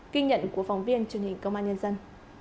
ghi nhận của phóng viên truyền hình công an nhân dân